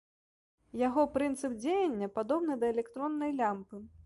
Яго прынцып дзеяння падобны да электроннай лямпы.